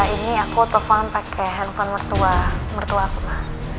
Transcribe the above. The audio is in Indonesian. ini aku nelfon pake handphone mertua mertua aku ma